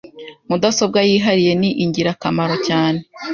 Mudasobwa yihariye ni ingirakamaro cyane. .